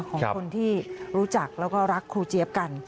ของคนที่รู้จักแล้วก็รักครูเจี๊ยบกัน